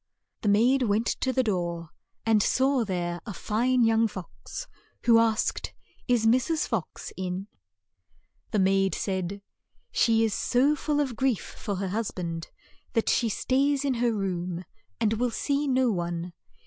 The maid went to the door, and saw there a fine young fox, who asked, "Is Mrs. Fox in?" The maid said, "She is so full of grief for her hus band, THE WEDDING OF MRS. FOX 93 that she stays in her room, and will see no one.